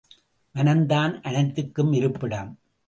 மனம்தான் அனைத்துக்கும் இருப்பிடம்.